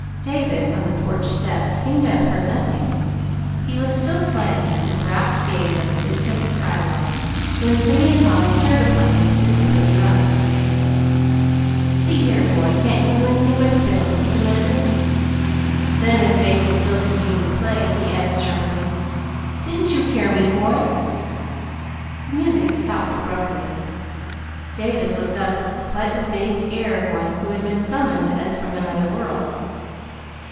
David, on the porch steps, seemed to have heard nothing. He was still playing, his rapt gaze on the distant sky line, when Simeon Holly turned upon him with disapproving eyes. "See here, boy, can't you do anything but fiddle?" he demanded. Then, as David still continued to play, he added sharply: "Did n't you hear me, boy?" The music stopped abruptly. David looked up with the slightly dazed air of one who has been summoned as from another world.